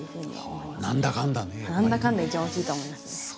何だかんだ一番大きいと思いますね。